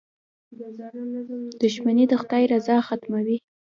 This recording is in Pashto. • دښمني د خدای رضا ختموي.